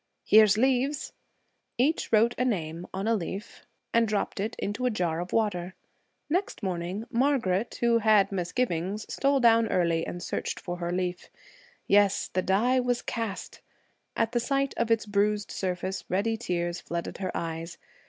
'Here's leaves.' Each wrote a name on a leaf and dropped it into a jar of water. Next morning, Margaret, who had misgivings, stole down early and searched for her leaf. Yes, the die was cast! At the sight of its bruised surface, ready tears flooded her eyes.